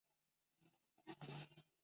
祖父汤宗义。